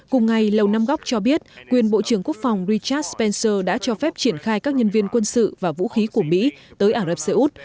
cùng ngày lầu năm góc cho biết quyền bộ trưởng quốc phòng richars pencer đã cho phép triển khai các nhân viên quân sự và vũ khí của mỹ tới ả rập xê út